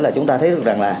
là chúng ta thấy được rằng là